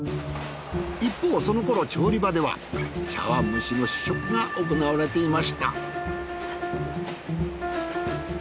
一方その頃調理場では茶碗蒸しの試食が行われていました。